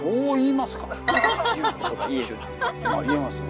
まあ言えますね。